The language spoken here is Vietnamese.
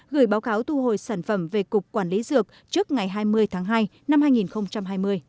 gửi báo cáo thu hồi sản phẩm về cục quản lý dược trước ngày hai mươi tháng hai năm hai nghìn hai mươi